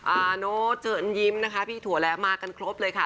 อาโน้ตเชิญยิ้มนะคะพี่ถั่วแล้วมากันครบเลยค่ะ